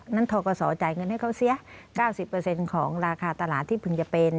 ทกศจ่ายเงินให้เขาเสีย๙๐ของราคาตลาดที่เพิ่งจะเป็น